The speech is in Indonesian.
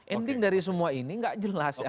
ending dari semua ini nggak jelas ya